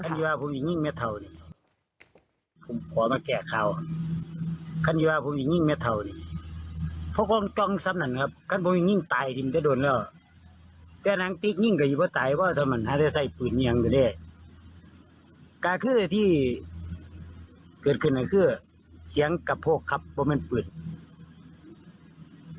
เกิดขึ้นอันเครื่องเสียงกระโพกครับมันเปิด